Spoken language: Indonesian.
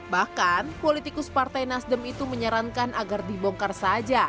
bahkan politikus partai nasdem itu menyarankan agar dibongkar saja